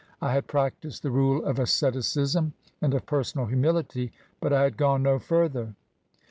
I had practised the rule of asceticism and of personal humility, but I had gone no further.